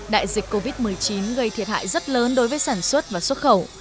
đại dịch covid một mươi chín gây thiệt hại rất lớn đối với sản xuất và xuất khẩu